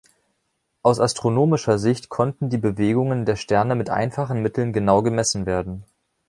Aus astronomischer Sicht konnten die Bewegungen der Sterne mit einfachen Mitteln genau gemessen werden.